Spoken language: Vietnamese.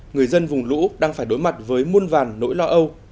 người dân vùng lũ đang phải đối mặt với muôn vàn nỗi lo âu